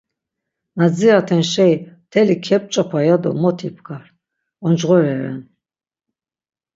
Na dziraten şei mteli kep̌ç̌opa ya do mot ibgar, oncğore ren.